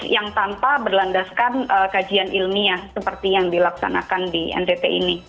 yang tanpa berlandaskan kajian ilmiah seperti yang dilaksanakan di ntt ini